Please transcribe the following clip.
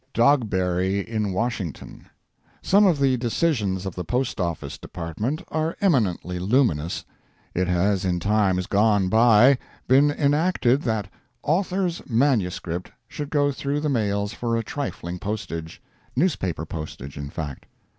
DOGBERRY IN WASHINGTON. Some of the decisions of the Post Office Department are eminently luminous. It has in times gone by been enacted that "author's manuscript" should go through the mails for a trifling postage—newspaper postage, in fact.